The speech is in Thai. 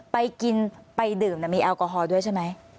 ไปกินไปดื่มมีแอลกอฮอล์ด้วยใช่ไหม